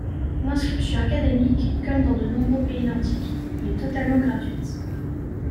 L'inscription académique, comme dans de nombreux pays nordiques, y est totalement gratuite.